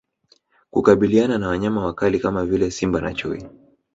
Kukabiliana na Wanyama wakali kama vile Simba na Chui